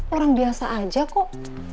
orang biasa aja kok